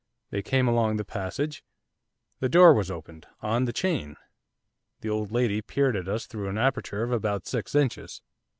They came along the passage. The door was opened 'on the chain.' The old lady peered at us through an aperture of about six inches.